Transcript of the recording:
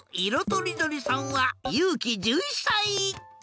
とりどりさんはゆうき１１さい。